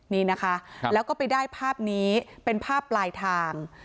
นี่นะคะแล้วก็ไปได้ภาพนี้เป็นภาพปลายทาง